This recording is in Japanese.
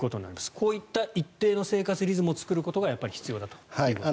こういった一定の生活リズムを作ることがやっぱり必要だということです。